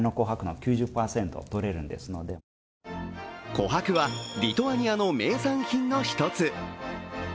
こはくはリトアニアの名産品の一つ。